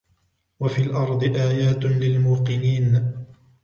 وفي الأرض آيات للموقنين